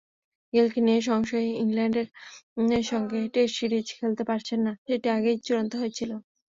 গেইলকে নিয়ে সংশয়ইংল্যান্ডের সঙ্গে test series খেলতে পারছেন না, সেটি আগেই চূড়ান্ত হয়েছিল।